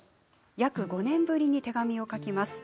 約５年ぶりに手紙を書きます。